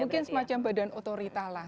mungkin semacam badan otorita lah